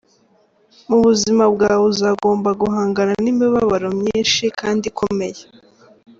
Mu buzima bwawe, uzagomba guhangana n’imibabaro myinshi kandi ikomeye.